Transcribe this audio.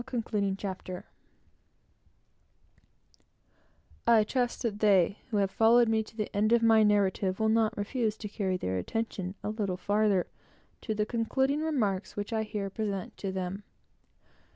CONCLUDING CHAPTER I trust that they who have followed me to the end of my narrative, will not refuse to carry their attention a little farther, to the concluding remarks which I here present to them.